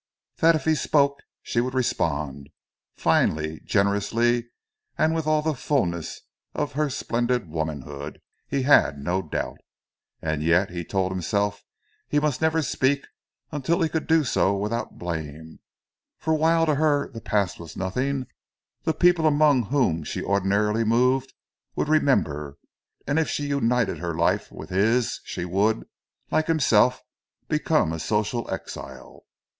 That if he spoke she would respond, finely, generously, with all the fulness of her splendid womanhood, he had no doubt. And yet, he told himself, he must never speak until he could do so without blame; for whilst to her the past was nothing, the people among whom she ordinarily moved would remember, and if she united her life with his she would, like himself, become a social exile.